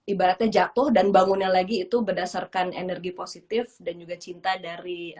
ibaratnya jatuh dan bangunnya lagi itu berdasarkan energi positif dan juga cinta dari